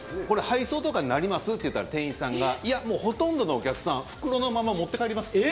「これ配送とかになります？」って言ったら店員さんが「いやもうほとんどのお客さん袋のまま持って帰ります」。